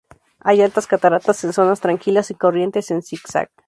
Hay altas cataratas en zonas tranquilas y corrientes en Zig zag.